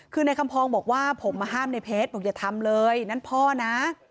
คือในคำพองบอกว่าผมมาห้ามในเพชรบอกอย่าทำเลยนั่นพ่อนะ